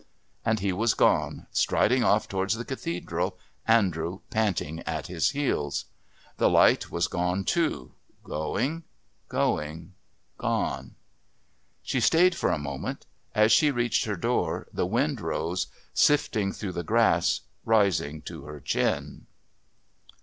And he was gone, striding off towards the Cathedral, Andrew panting at his heels. The light was gone too going, going, gone. She stayed for a moment. As she reached her door the wind rose, sifting through the grass, rising to her chin.